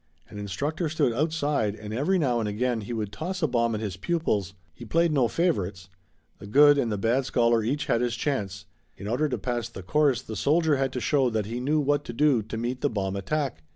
An instructor stood outside and every now and again he would toss a bomb at his pupils. He played no favorites. The good and the bad scholar each had his chance. In order to pass the course the soldier had to show that he knew what to do to meet the bomb attack.